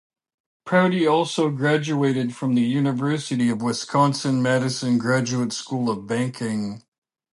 Prouty also graduated from the University of Wisconsin-Madison Graduate School of Banking.